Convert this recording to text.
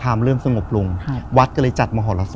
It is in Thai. คือก่อนอื่นพี่แจ็คผมได้ตั้งชื่อเอาไว้ชื่อเอาไว้ชื่อเอาไว้ชื่อ